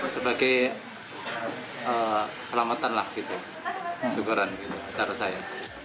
sebagai selamatan lah gitu syukuran cara saya